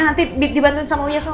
nanti dibantuin sama uya sama obaim